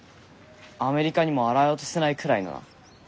アメリカにも洗い落とせないくらいのな。